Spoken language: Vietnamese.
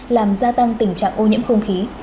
làm gia tăng tình trạng ô nhiễm không khí